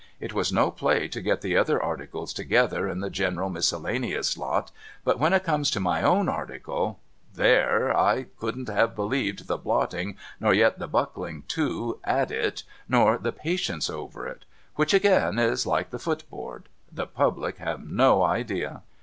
It was no play to get the other articles together in the general miscellaneous lot, but when it come to my own article ! There ! I couldn't have believed the blotting, nor yet the buckling to at it, nor the patience over it. ^Vhich again is like the footboard. The public have no idea.